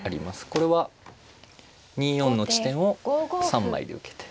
これは２四の地点を３枚で受けて。